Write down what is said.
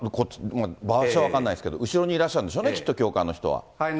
場所は分かんないんですけれども、後ろにいらっしゃるんでしょうね、教官の人は。